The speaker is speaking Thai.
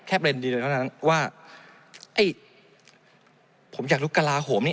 ประเด็นเดียวเท่านั้นว่าไอ้ผมอยากรู้กระลาโหมนี่